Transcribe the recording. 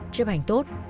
chếp hành tốt